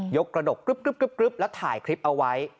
กระดกกรึ๊บแล้วถ่ายคลิปเอาไว้